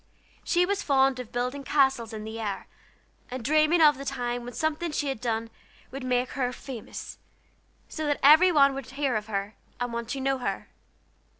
She was fond of building castles in the air, and dreaming of the time when something she had done would make her famous, so that everybody would hear of her, and want to know her.